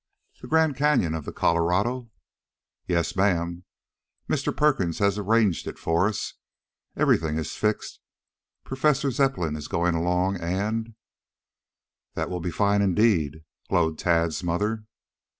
"The Grand Canyon of the Colorado?" "Yes, ma'am. Mr. Perkins has arranged it for us. Everything is fixed. Professor Zepplin is going along and " "That will be fine, indeed," glowed Tad's mother.